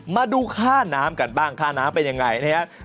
มาดูค่าน้ำกันบ้างค่าน้ำเป็นยังไงนะครับ